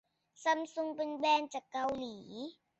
ซัมซุงเป็นแบรนด์จากเกาหลี